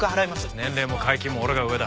年齢も階級も俺が上だ。